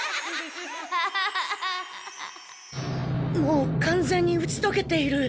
もう完全に打ちとけている。